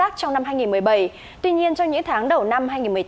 trong năm hai nghìn một mươi bảy tuy nhiên trong những tháng đầu năm hai nghìn một mươi tám